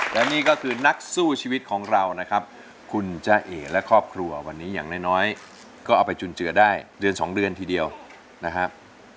และนี่ก็คือนักสู้ชีวิตของเรานะครับคุณจ้าเอ๋และครอบครัววันนี้อย่างน้อยก็เอาไปจุนเจือได้เดือนสองเดือนทีเดียวนะครับ